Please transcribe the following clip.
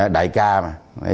đại ca mà